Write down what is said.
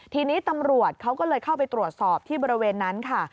ทีนี้ตำรวจเขาก็เลยเข้าไปตรวจสอบที่บริเวณนั้นค่ะ